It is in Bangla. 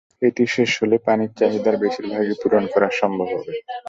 এটি শেষ হলে পানি চাহিদার বেশির ভাগই পূরণ করা সম্ভব হবে।